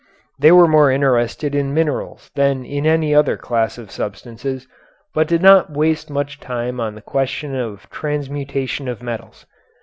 They were more interested in minerals than in any other class of substances, but did not waste much time on the question of transmutation of metals.